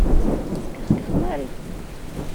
Teskexkex Mary.